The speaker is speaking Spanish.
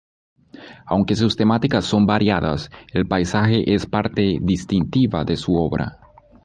Aunque sus temáticas son variadas, el paisaje es parte distintiva de su obra.